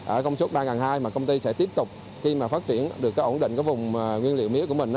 ở công suất ba hai trăm linh mà công ty sẽ tiếp tục khi phát triển được ổn định vùng nguyên liệu mía của mình